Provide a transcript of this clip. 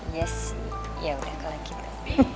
yes ya udah kalah gitu